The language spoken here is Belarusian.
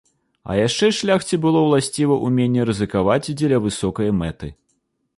А яшчэ шляхце было ўласціва ўменне рызыкаваць дзеля высокай мэты.